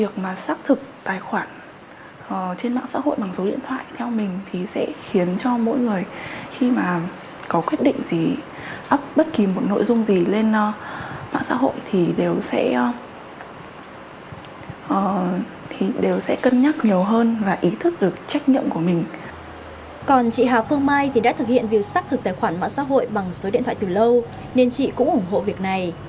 còn chị hà phương mai thì đã thực hiện việc xác thực tài khoản mạng xã hội bằng số điện thoại từ lâu nên chị cũng ủng hộ việc này